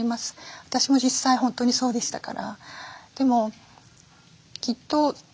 私も実際本当にそうでしたから。